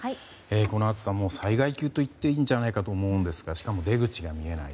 この暑さ、災害級といっていいんじゃないかと思うんですがしかも出口が見えない。